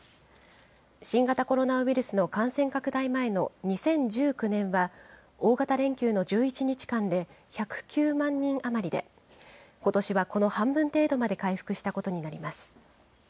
新型コロナウイルスの感染拡大前の２０１９年は、大型連休の１１日間で１０９万人余りで、ことしはこの半分程度まで回復したことになります。